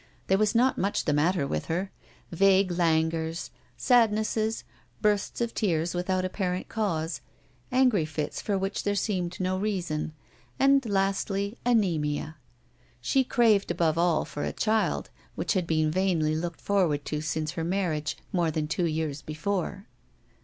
There was not much the matter with her vague languors, sadnesses, bursts of tears without apparent cause, angry fits for which there seemed no season, and lastly anæmia. She craved above all for a child, which had been vainly looked forward to since her marriage, more than two years before.